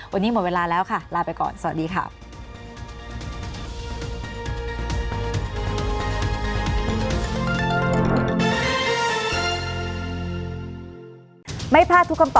วันนี้หมดเวลาแล้วค่ะลาไปก่อนสวัสดีค่ะ